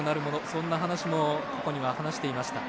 そんな話も過去には話していました。